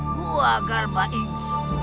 bua garba iksu